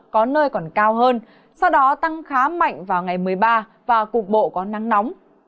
có nơi còn cao hơn sau đó tăng khá mạnh vào ngày một mươi ba và cục bộ có nắng nóng